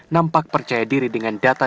nampak percaya diri dengan data